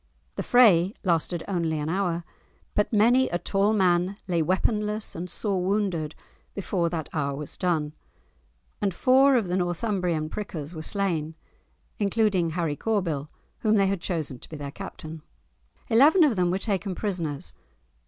The fray lasted only an hour, but many a tall man lay weaponless and sore wounded before that hour was done, and four of the Northumbrian prickers were slain, including Harry Corbyl whom they had chosen to be their captain. Eleven of them were taken prisoners.